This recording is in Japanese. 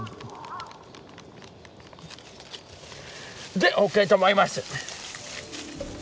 でＯＫと思います。